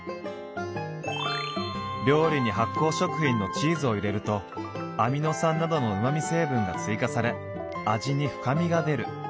「料理に発酵食品のチーズを入れるとアミノ酸などのうまみ成分が追加され味に深みが出る」。